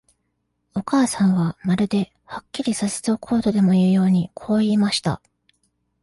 お母さんは、まるで、はっきりさせておこうとでもいうように、こう言いました。